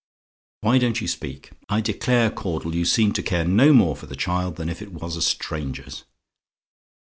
Why don't you speak? I declare, Caudle, you seem to care no more for the child than if it was a stranger's.